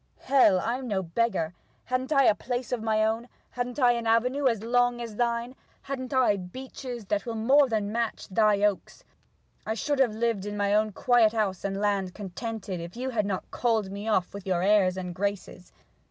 H ! I'm no beggar! Ha'n't I a place of my own? Ha'n't I an avenue as long as thine? Ha'n't I beeches that will more than match thy oaks? I should have lived in my own quiet house and land, contented, if you had not called me off with your airs and graces.